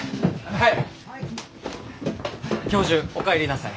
はい。